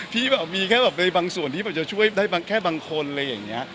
พี่แบบมีแค่แบบในบางส่วนที่แบบจะช่วยได้บางแค่บางคนอะไรอย่างนี้